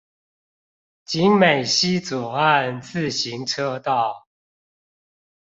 景美溪左岸自行車道